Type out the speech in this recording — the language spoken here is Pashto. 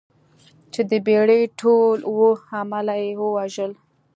چې د بېړۍ ټول اووه عمله یې ووژل.